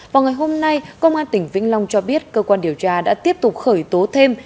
vào ngày hôm nay công an tỉnh vĩnh long cho biết cơ quan điều tra đã tiếp tục khởi tố thêm